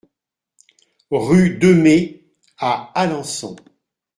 Rue Demées à Alençon